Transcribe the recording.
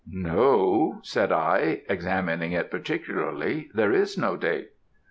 "'No,' said I, 'I examined it particularly there is no date.'